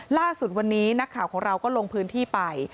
ล่าสุดวันนี้นักข่าวของเราก็ลงพื้นที่ไป